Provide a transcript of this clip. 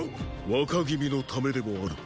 若君のためでもある。